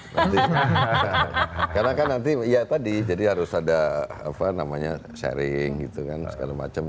karena kan nanti ya tadi jadi harus ada sharing gitu kan segala macam